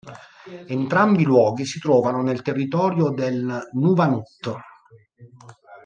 Entrambi i luoghi si trovano nel territorio del Nunavut.